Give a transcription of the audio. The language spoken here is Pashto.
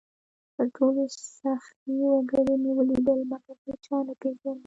تر ټولو سخي وګړي مې ولیدل؛ مګر هېچا نه پېژندل،